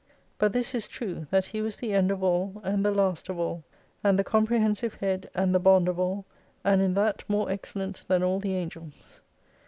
But this is true, that he was the end of all and the last of all : and the comprehensive head and the bond of all, and in that more excellent than all the Angels.